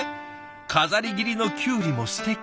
飾り切りのきゅうりもすてき。